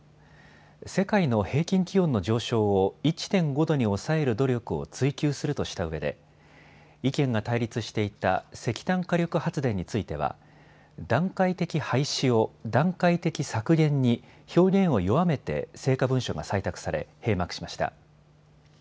世界の平均気温の上昇を１．５度に抑える努力を追求するとしたうえで意見が対立していた石炭火力発電については段階的廃止を、段階的削減に表現を弱めて成果文書が採択され閉幕しました。